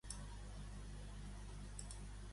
Et faria res punxar "Juntos", que m'encanta?